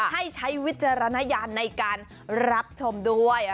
ใช้วิจารณญาณในการรับชมด้วย